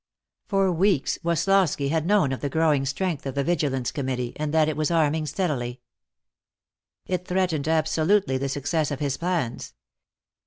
For weeks Woslosky had known of the growing strength of the Vigilance Committee, and that it was arming steadily. It threatened absolutely the success of his plans.